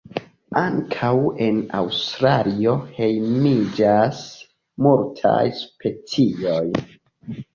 Ankaŭ en Aŭstralio hejmiĝas multajn speciojn.